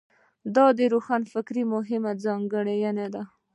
دا د روښانفکرۍ مهمې ځانګړنې دي.